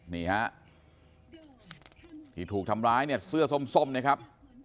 นี่ฮะที่ถูกทำร้ายเนี่ยเสื้อส้มนะครับ